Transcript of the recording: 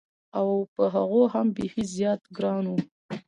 او په هغو هم بېخي زیات ګران و.